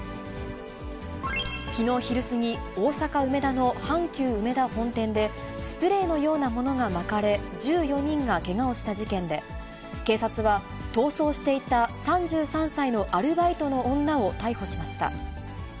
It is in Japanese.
きのう昼過ぎ、大阪・梅田の阪急うめだ本店で、スプレーのようなものがまかれ、１４人がけがをした事件で、警察は、逃走していた３３歳のアルバイトの女を逮捕しました。